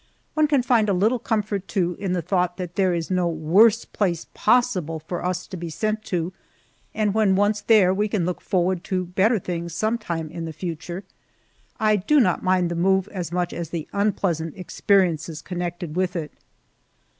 One can find a little comfort, too, in the thought that there is no worse place possible for us to be sent to, and when once there we can look forward to better things sometime in the future. I do not mind the move as much as the unpleasant experiences connected with it.